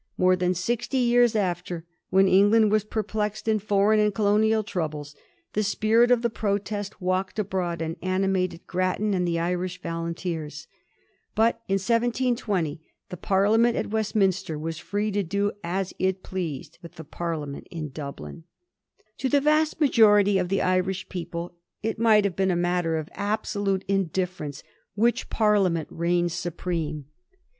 More than sixty years after, when England was perplexed in foreign and colonial troubles, the spirit of the protest walked abroad and animated Grattan and the Irish Volunteers. But in 1720 the Parliament at Westminster was free to do as it pleased with the Parliament in Dublin. To the vast majority of the Irish people it might have been a matter of absolute indifference which Parliament reigned supreme.